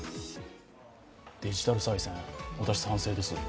デジタルさい銭、私、賛成です。